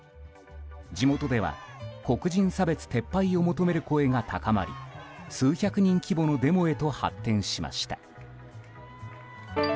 地元では黒人差別撤廃を求める声が高まり数百人規模のデモへと発展しました。